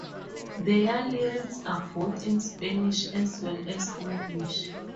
Their lyrics are both in Spanish as well as English.